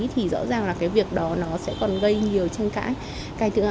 thì rõ ràng là cái việc đó nó sẽ còn gây nhiều tranh cãi